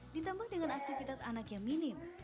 ditambah dengan aktivitas anak yang minim